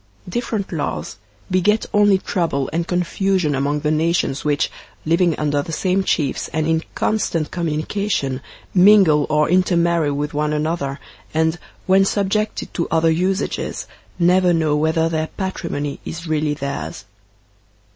Different laws beget only trouble and confusion among the nations which, living under the same chiefs and in constant com munication, mingle or intermarry with one another, and, when subjected to other usages, never know whether their patrimony is really theirs.